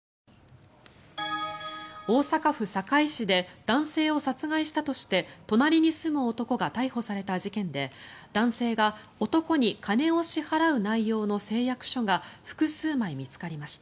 大阪府堺市で男性を殺害したとして隣に住む男が逮捕された事件で男性が男に金を支払う内容の誓約書が複数枚見つかりました。